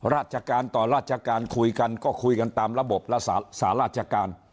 ราชการต่อราชการคุยกันก็คุยกันตามระบบรักษาราชการ